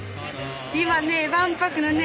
今ね万博のね